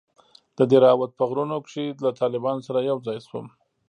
د دهراوت په غرونو کښې له طالبانو سره يوځاى سوم.